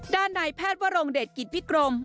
ด้านนายแพทย์วรงเดชกิจวิกรม